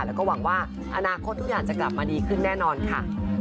แล้วก็หวังว่าอนาคตทุกอย่างจะกลับมาดีขึ้นแน่นอนค่ะ